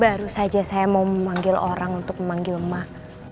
baru saja saya mau memanggil orang untuk memanggil emak